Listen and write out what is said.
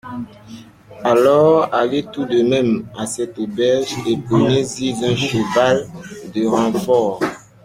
Alors allez tout de même à cette auberge et prenez-y un cheval de renfort.